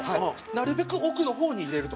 なるべく奥の方に入れると。